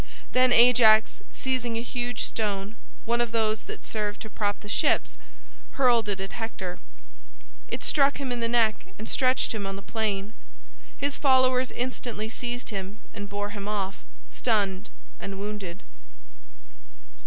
Then Ajax, seizing a huge stone, one of those that served to prop the ships, hurled it at Hector. It struck him in the neck and stretched him on the plain. His followers instantly seized him and bore him off, stunned and wounded.